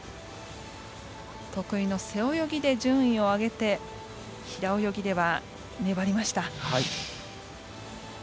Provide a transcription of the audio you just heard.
得意の背泳ぎで順位を上げて平泳ぎでは粘りました。